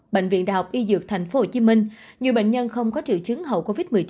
bệnh viện đh y dược tp hcm nhiều bệnh nhân không có triệu chứng hậu covid một mươi chín